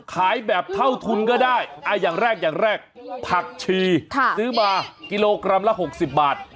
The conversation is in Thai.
ขายแบบเท่าทุนก็ได้อย่างแรกอย่างแรกผักชีซื้อมากิโลกรัมละ๖๐บาท